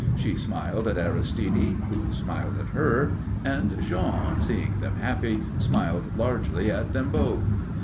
She smiled at Aristide, who smiled at her, and Jean, seeing them happy, smiled largely at them both.